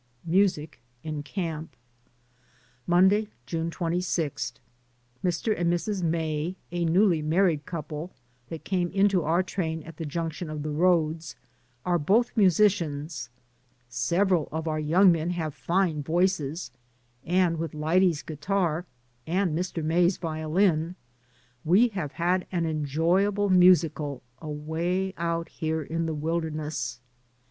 MUSIC IN CAMP. Monday, June 26. Mr. and Mrs. May — a newly married couple that came into our train at the junc DAYS ON THE ROAD. in tion of the roads — are both musicians; sev eral of our young men have fine voices, and with Lyde's guitar, and Mr. May's vioHn we have had an enjoyable musicale away out here in the wilderness.